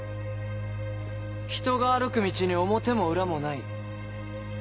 人が歩く道に表も裏もない。